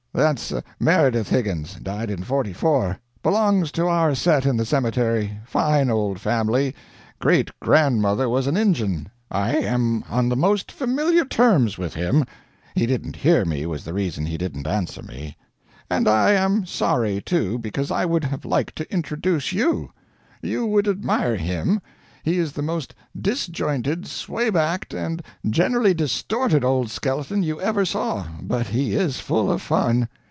That's Meredith Higgins died in '44 belongs to our set in the cemetery fine old family great grandmother was an Injun I am on the most familiar terms with him he didn't hear me was the reason he didn't answer me. And I am sorry, too, because I would have liked to introduce you. You would admire him. He is the most disjointed, sway backed, and generally distorted old skeleton you ever saw, but he is full of fun.